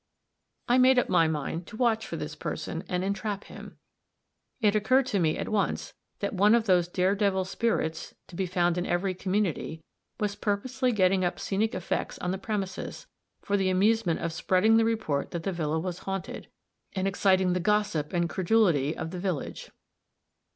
I made up my mind to watch for this person, and entrap him. It occurred to me, at once, that one of those dare devil spirits, to be found in every community, was purposely getting up scenic effects on the premises, for the amusement of spreading the report that the villa was haunted, and exciting the gossip and credulity of the village.